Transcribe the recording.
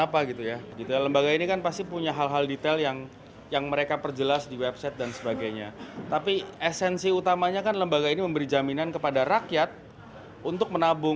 fajar nugros telah memproduksi beberapa film seperti sleep call dan yo wispen